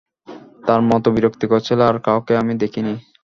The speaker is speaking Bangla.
তার মতো বিরক্তিকর ছেলে আর কাউকে আমি দেখি নি।